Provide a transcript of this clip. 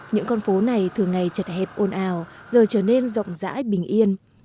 những con phố này thường ngày chật hẹp ồn ào giờ trở nên rộng rãi bình yên